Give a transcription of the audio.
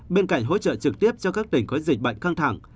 bên cạnh hỗ trợ trực tiếp cho các tỉnh có dịch bệnh căng thẳng